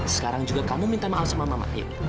sekarang juga kamu minta maaf sama mama ib